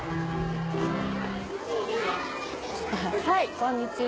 はいこんにちは。